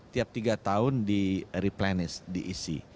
tiap tiga tahun di replanis diisi